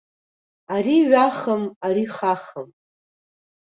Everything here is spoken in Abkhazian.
Ари ҩахам, ари хахам.